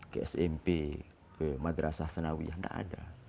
ke smp ke madrasah sanawiyah tidak ada